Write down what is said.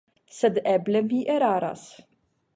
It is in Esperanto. Sed eble mi eraras.